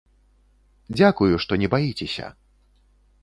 Дзякую, што не баіцеся!